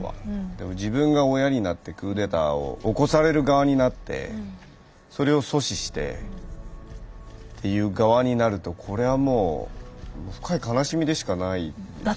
でも自分が親になってクーデターを起こされる側になってそれを阻止してっていう側になるとこれはもう深い悲しみでしかないと思うんですよね。